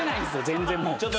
全然もう。